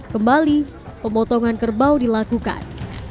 kembali pemotongan kerbau dilakukan